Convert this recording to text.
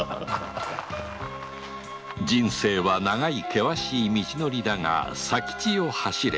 人生は長い険しい道のりだが佐吉よ走れ！